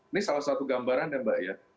ini salah satu gambaran ya mbak ya